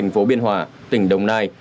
công an tp biên hòa tỉnh đồng nai